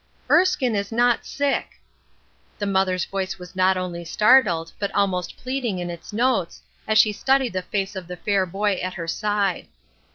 "Erskine is not sick !" The mother's voice was not only startled, but almost pleading in its notes, as she studied the face of the fair boy at her side.